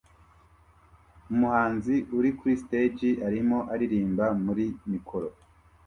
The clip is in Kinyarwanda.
Umuhanzi uri kuri stage arimo aririmba muri mikoro